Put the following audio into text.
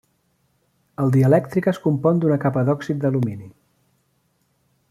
El dielèctric es compon d'una capa d'òxid d'alumini.